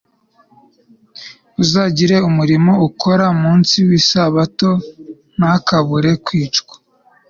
Uzagira umurimo akora ku munsi wisabato ntakabure kwicwa